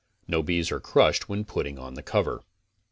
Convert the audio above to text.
No bees are crushed when putting on the cover.